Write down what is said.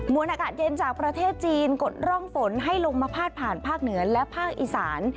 วนอากาศเย็นจากประเทศจีนกดร่องฝนให้ลงมาพาดผ่านภาคเหนือและภาคอีสาน